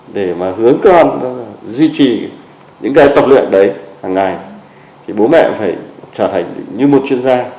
để mà hướng con duy trì những ngày tập luyện đấy hàng ngày thì bố mẹ phải trở thành như một chuyên gia